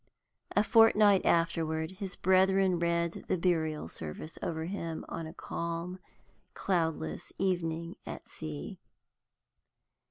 A fortnight afterward, his brethren read the burial service over him on a calm, cloudless evening at sea.